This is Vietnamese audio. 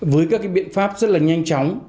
với các biện pháp rất nhanh chóng